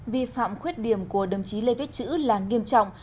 vi phạm khuyết điểm của đồng chí lê viết chữ là nghiêm trọng